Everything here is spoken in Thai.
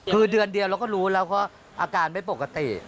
คือเดือนเดียวเราก็รู้แล้วก็อาการไม่ปกติ